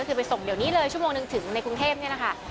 คือไปส่งเดี๋ยวนี้เลยชั่วโมงหนึ่งถึงในกรุงเทพนี่แหละค่ะ